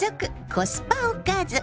コスパおかず。